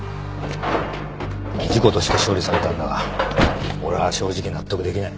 事故として処理されたんだが俺は正直納得できない。